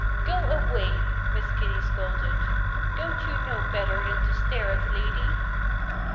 "Go away!" Miss Kitty scolded. "Don't you know better than to stare at a lady?"